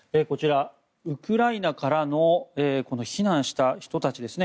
こちら、ウクライナから避難した人たち。